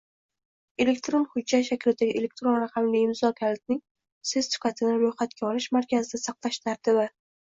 Elektron hujjat shaklidagi elektron raqamli imzo kalitining sertifikatini ro‘yxatga olish markazida saqlash tartibi